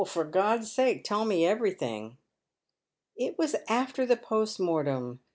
"For God's sake tell me everything." " It was after the post mortem. Dr.